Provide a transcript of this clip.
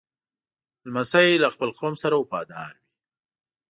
لمسی له خپل قوم سره وفادار وي.